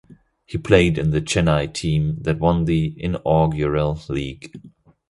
He played in the Chennai team that won the inaugural league.